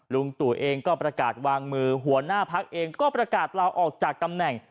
ลุงตู่เองก็ประกาศวางมือหัวหน้าพักเองก็ประกาศลาออกจากตำแหน่ง